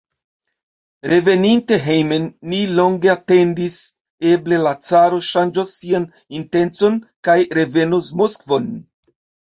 Reveninte hejmen, ni longe atendis: eble la caro ŝanĝos sian intencon kaj revenos Moskvon.